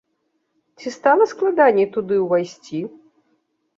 Ці стала складаней туды ўвайсці?